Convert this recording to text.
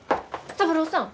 三郎さん